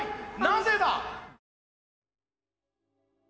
なぜだ！